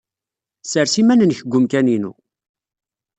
Ssers iman-nnek deg umkan-inu.